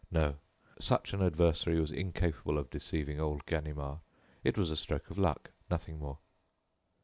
No, such an adversary was incapable of deceiving old Ganimard. It was a stroke of luck nothing more.